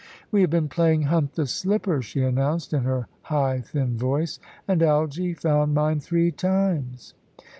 "We have been playing 'Hunt the Slipper,'" she announced, in her high, thin voice, "and Algy found mine three times."